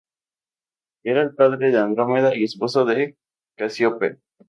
Era el padre de Andrómeda y esposo de Casiopea.